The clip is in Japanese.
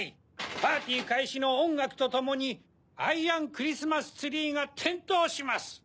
パーティーかいしのおんがくとともにアイアンクリスマスツリーがてんとうします。